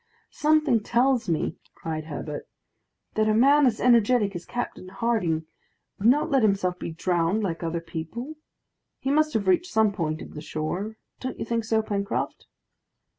"Something tells me," cried Herbert, "that a man as energetic as Captain Harding would not let himself be drowned like other people. He must have reached some point of the shore; don't you think so, Pencroft?"